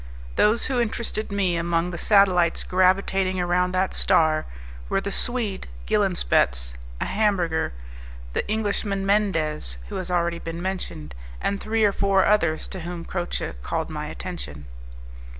Those who interested me among the satellites gravitating around that star were the Swede Gilenspetz, a Hamburger, the Englishman Mendez, who has already been mentioned, and three or four others to whom Croce called my attention.